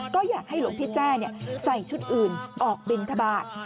ก็อยากให้หลวงพี่แจ้ใส่ชุดอื่นออกบินทบาท